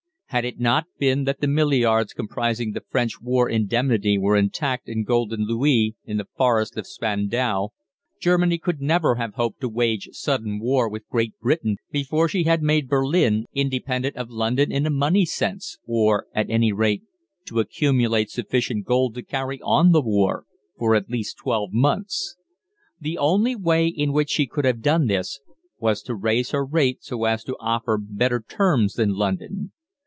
Had it not been that the milliards comprising the French War indemnity were intact in golden louis in the fortress of Spandau, Germany could never have hoped to wage sudden war with Great Britain before she had made Berlin independent of London in a money sense, or, at any rate, to accumulate sufficient gold to carry on the war for at least twelve months. The only way in which she could have done this was to raise her rate so as to offer better terms than London.